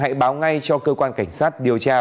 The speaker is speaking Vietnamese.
hãy báo ngay cho cơ quan cảnh sát điều tra